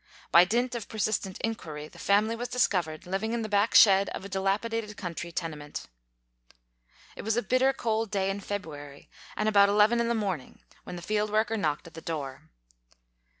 By dint of persistent inquiry, the family was discovered liv ing in the back shed of a dilapidated country tene ment. It was a bitter, cold day in February and about eleven in the morning when the field worker knocked at the door.